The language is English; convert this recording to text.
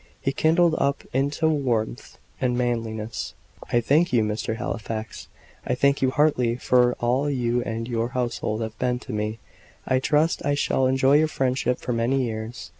He kindled up into warmth and manliness. "I thank you, Mr. Halifax I thank you heartily for all you and your household have been to me. I trust I shall enjoy your friendship for many years.